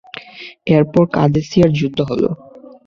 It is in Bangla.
এরপর কাদেসিয়ার যুদ্ধ হল।